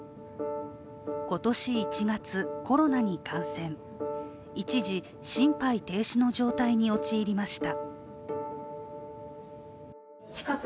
今年１月コロナに感染、一時、心肺停止の状態に陥りました。